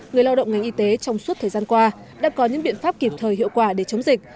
người lao động ngành y tế trong suốt thời gian qua đã có những biện pháp kịp thời hiệu quả để chống dịch